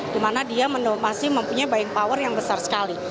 dimana dia masih mempunyai buying power yang besar sekali